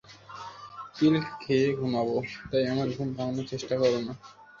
পিল খেয়ে ঘুমাবো, তাই আমার ঘুম ভাঙানোর চেষ্টাও করো না!